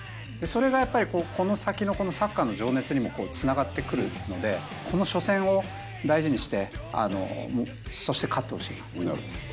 それがこの先のサッカーの情熱にもつながってくるのでこの初戦を大事にしてそして勝ってほしいなと思います。